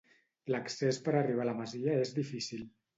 L'accés per arribar a la masia és difícil.